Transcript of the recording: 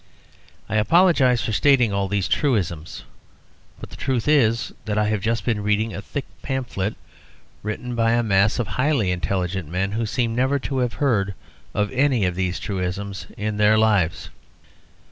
I apologise for stating all these truisms. But the truth is, that I have just been reading a thick pamphlet written by a mass of highly intelligent men who seem never to have heard of any of these truisms in their lives.